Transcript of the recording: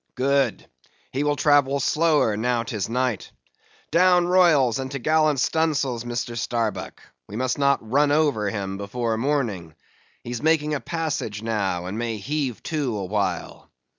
"Good! he will travel slower now 'tis night. Down royals and top gallant stun sails, Mr. Starbuck. We must not run over him before morning; he's making a passage now, and may heave to a while.